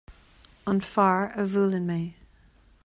An fear a bhuaileann mé.